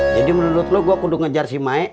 jadi menurut lo gue kudu ngejar si mae